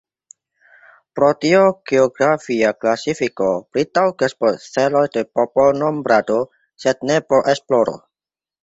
Pro tio geografia klasifiko pli taŭgas por celoj de popolnombrado, sed ne por esploro.